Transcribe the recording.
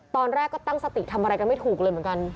ตอนแรกก็ตั้งสติทำอะไรกันไม่ถูกเลยเหมือนกัน